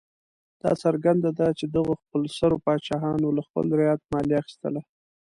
دا څرګنده ده چې دغو خپلسرو پاچاهانو له خپل رعیت مالیه اخیستله.